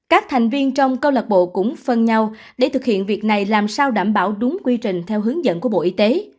các thành viên trong câu lạc bộ cũng phân nhau để thực hiện việc này làm sao đảm bảo đúng quy trình theo hướng dẫn của bộ y tế